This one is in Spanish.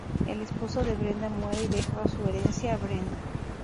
El esposo de Brenda muere y deja su herencia a Brenda.